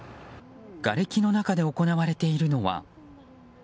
がれきの中で行われているのは。